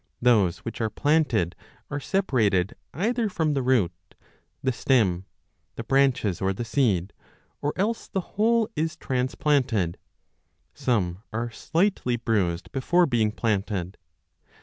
Those whkh are planted are separated either from the root, the stem, the branches, or the seed, or else the whole is transplanted; some are slightly bruised before being planted.